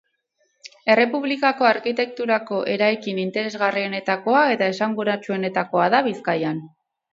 Errepublikako arkitekturako eraikin interesgarrienetakoa eta esanguratsuenetakoa da Bizkaian.